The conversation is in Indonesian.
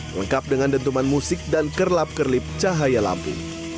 lengkap dengan dentuman musik dan kerlap kerlip cahaya lampu